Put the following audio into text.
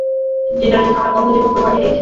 যেটার জন্য আমরা কতো জীবন কোরবানি দিয়েছি।